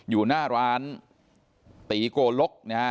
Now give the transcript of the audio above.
อยู่หน้าร้านตี้โกลก